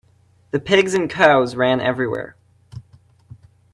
The pigs and cows ran everywhere.